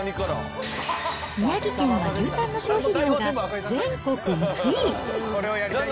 宮城県は牛タンの消費量が全国１位。